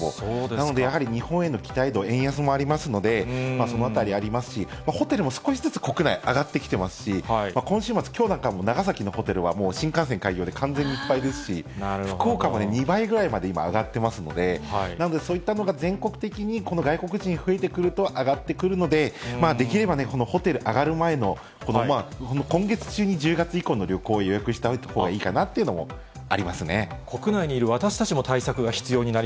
なので、やはり日本への期待度、円安もありますので、そのあたりありますし、ホテルも少しずつ国内、上がってきてますし、今週末、きょうなんかも、長崎のホテルはもう新幹線開業で完全にいっぱいですし、福岡も２倍ぐらいまで、今、上がってますので、なのでそういったのが全国的にこの外国人増えてくると、上がってくるので、できればこのホテル、上がる前の今月中に、１０月以降の旅行を予約しておいたほうがいいかなっていうのもあ国内にいる私たちも対策が必そうです。